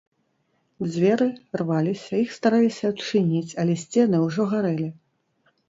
Дзверы рваліся, іх стараліся адчыніць, але сцены ўжо гарэлі.